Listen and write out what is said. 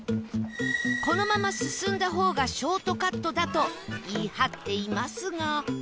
このまま進んだ方がショートカットだと言い張っていますが